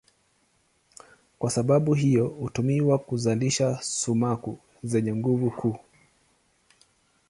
Kwa sababu hiyo hutumiwa kuzalisha sumaku zenye nguvu kuu.